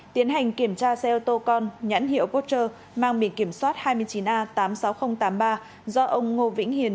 tiến hành kiểm tra xe ô tô con nhãn hiệu pocher mang biển kiểm soát hai mươi chín a tám mươi sáu nghìn tám mươi ba do ông ngô vĩnh hiền